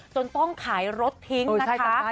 จนต้องขายรถทิ้งนะคะ